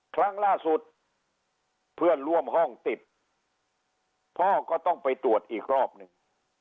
ครั้งล่าสุดเพื่อนร่วมห้องติดพ่อก็ต้องไปตรวจอีกรอบหนึ่ง